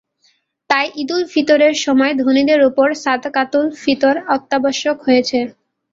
তাই ঈদুল ফিতরের সময় ধনীদের ওপর সাদাকাতুল ফিতর অত্যাবশ্যক করা হয়েছে।